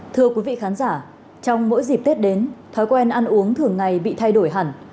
thưa quý vị khán giả trong mỗi dịp tết đến thói quen ăn uống thường ngày bị thay đổi hẳn